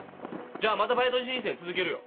じゃあまたバイト人生続けるよ！